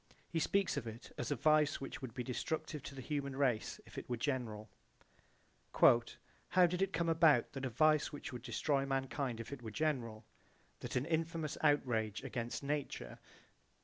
He speaks of it as a vice which would be destructive to the human race if it were general. "How did it come about that a vice which would destroy mankind if it were general, that an infamous outrage against nature...?"